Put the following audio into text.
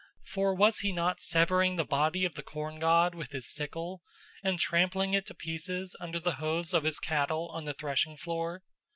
For was he not severing the body of the corn god with his sickle and trampling it to pieces under the hoofs of his cattle on the threshing floor?